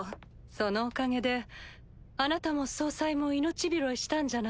そのおかげであなたも総裁も命拾いしたんじゃなくて？